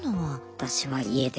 私は家で。